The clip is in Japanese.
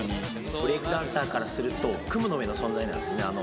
ブレイクダンサーからすると、雲の上の存在なんですよね。